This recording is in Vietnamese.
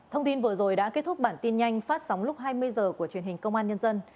thông tin vừa rồi đã kết thúc bản tin nhanh phát sóng lúc hai mươi h của truyền hình công an nhân dân